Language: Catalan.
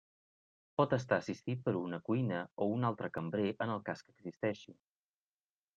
Pot estar assistit per una cuina o un altre cambrer en el cas que existeixi.